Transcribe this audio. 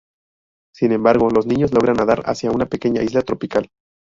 Sin embargo, los niños logran nadar hacia una pequeña isla tropical.